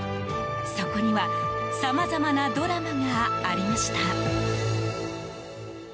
そこにはさまざまなドラマがありました。